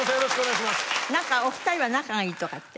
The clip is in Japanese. お二人は仲がいいとかって。